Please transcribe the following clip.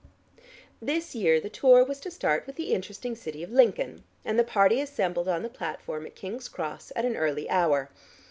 This year the tour was to start with the interesting city of Lincoln and the party assembled on the platform at King's Cross at an early hour.